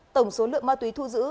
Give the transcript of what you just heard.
tổng số lượng ma túy thu giữ